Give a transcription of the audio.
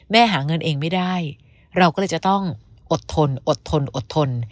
หาเงินเองไม่ได้เราก็เลยจะต้องอดทนอดทนอดทน